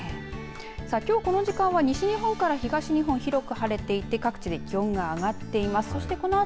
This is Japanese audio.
この時間には西日本から東日本、広く晴れていて各地で気温が上がっています。